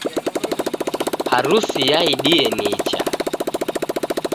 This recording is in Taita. Harusi yaidie nicha